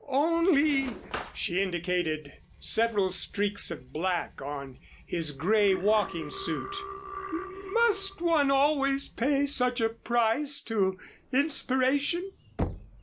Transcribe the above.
"Only " she indicated several streaks of black on his grey walking suit. "Must one always pay such a price to inspiration?"